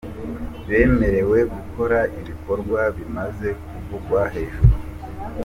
bemerewe gukora ibikorwa bimaze kuvugwa hejuru ;.